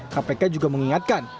kpk juga mengingatkan